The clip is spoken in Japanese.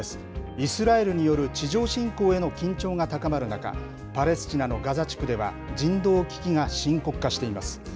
イスラエルによる地上侵攻への緊張が高まる中、パレスチナのガザ地区では、人道危機が深刻化しています。